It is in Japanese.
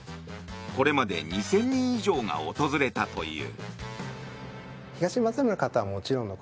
これまで２０００人以上が訪れたという。